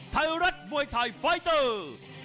ไทยรัฐมวยไทยไฟเตอร์